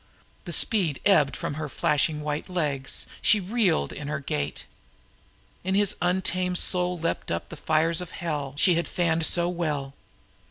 The speed ebbed from her flashing white legs; she reeled in her gait. In his untamed soul flamed up the fires of hell she had fanned so well.